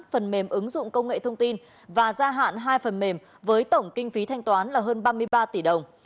phần mềm ứng dụng công nghệ thông tin và gia hạn hai phần mềm với tổng kinh phí thanh toán là hơn ba mươi ba tỷ đồng